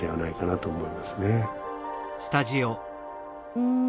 うん。